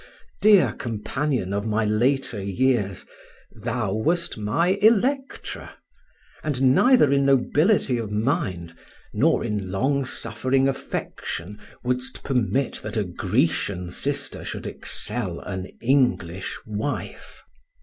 dear companion of my later years, thou wast my Electra! and neither in nobility of mind nor in long suffering affection wouldst permit that a Grecian sister should excel an English wife.